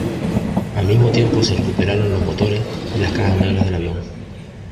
Al mismo tiempo se recuperaron los motores y las cajas negras del avión.